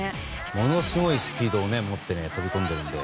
ものすごいスピードを持って飛び込んでいるので。